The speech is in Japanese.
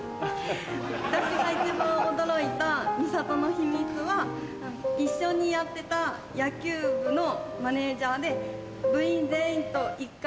私が一番驚いた美里の秘密は一緒にやってた野球部のマネジャーで。